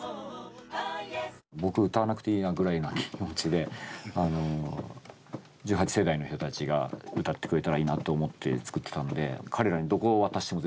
僕歌わなくていいなぐらいな気持ちであの１８世代の人たちが歌ってくれたらいいなって思って作ってたので彼らにどこを渡しても全然僕は構わないので。